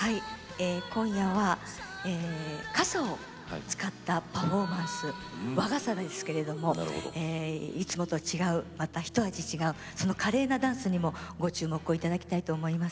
今夜は傘を使ったパフォーマンス和傘ですけれどもいつもと違うまたひと味違うその華麗なダンスにもご注目をいただきたいと思います。